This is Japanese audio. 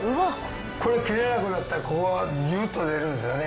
これ切れなくなったらここがギュッと出るんですよね。